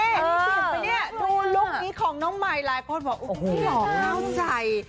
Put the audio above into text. อันนี้เสร็จไหมเนี่ยดูลูกนี้ของน้องไหมลายโพสบอกหล่อกล้าวใจ